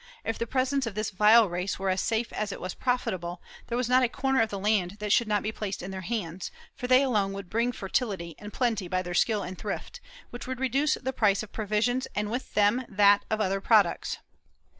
If the presence of this vile race were as safe as it was profitable, there was not a corner of land that should not be placed in their hands, for they alone would bring fertility and plenty by their skill and thrift, which would reduce the price of provisions and with them that of other products.